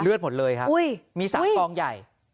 เลือดหมดเลยครับมี๓กองใหญ่